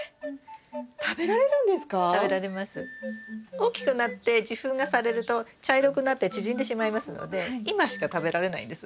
大きくなって受粉がされると茶色くなって縮んでしまいますので今しか食べられないんです。